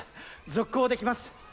続行できます！